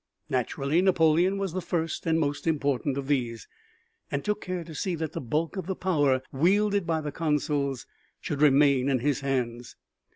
Naturally Napoleon was the first and most important of these, and took care to see that the bulk of the power wielded by the consuls should remain in his hands.